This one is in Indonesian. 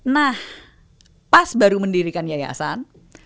nah pas baru mendirikan yayasan